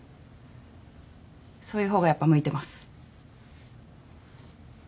そういう方がやっぱ向いてます。